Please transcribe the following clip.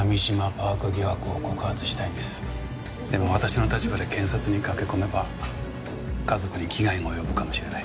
でも私の立場で検察に駆け込めば家族に危害が及ぶかもしれない。